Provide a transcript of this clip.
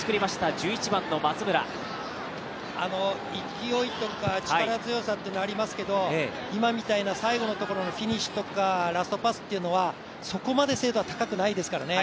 勢いとか力強さというのはありますけど、今みたいな最後のところのフィニッシュとかラストパスというのはそこまで精度は高くないですからね。